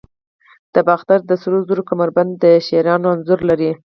د باختر سرو زرو کمربند د شیرانو انځور لري